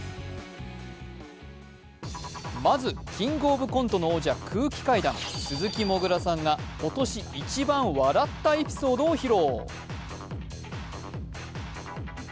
まず「キングオブコント」の王者空気階段鈴木もぐらさんが、今年一番笑ったエピソードを披露。